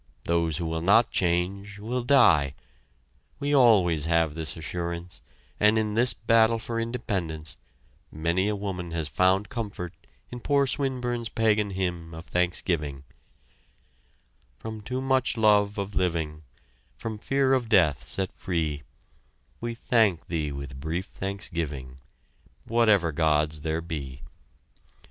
Those who will not change will die! We always have this assurance, and in this battle for independence, many a woman has found comfort in poor Swinburne's pagan hymn of thanksgiving: From too much love of living, From fear of death set free, We thank thee with brief thanksgiving, Whatever gods there be!